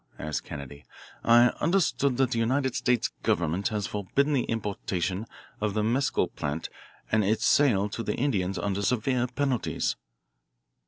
asked Kennedy. "I understood that the United States government had forbidden the importation of the mescal plant and its sale to the Indians under severe penalties."